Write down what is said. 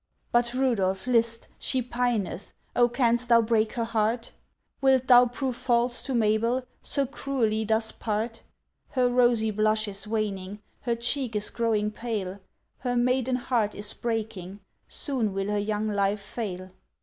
But Rudolph, list! she pineth, Oh, canst thou break her heart? Wilt thou prove false to Mabel, So cruelly thus part? Her rosy blush is waning, Her cheek is growing pale, Her maiden heart is breaking, Soon will her young life fail.